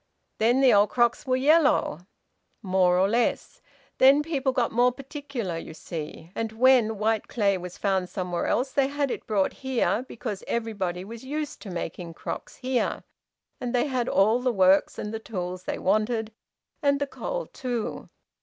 "Then the old crocks were yellow?" "More or less. Then people got more particular, you see, and when white clay was found somewhere else they had it brought here, because everybody was used to making crocks here, and they had all the works and the tools they wanted, and the coal too.